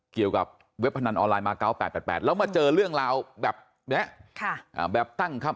เกี่ยวกับเว็บพนันออนไลน์มา๙๘๘๘แล้วมาเจอเรื่องราวแบบนี้